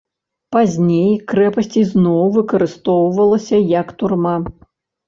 Пазней крэпасць ізноў выкарыстоўвалася як турма.